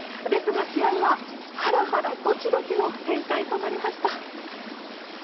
ですが試合はハラハラドキドキの展開となりました。